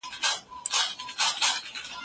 په خپلو منځونو کې عفو او بخښنه دود کړئ.